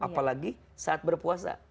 apalagi saat berpuasa